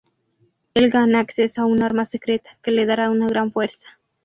Él gana acceso a un arma secreta, que le dará una gran fuerza.